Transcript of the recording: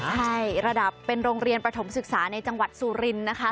ใช่ระดับเป็นโรงเรียนประถมศึกษาในจังหวัดสุรินทร์นะคะ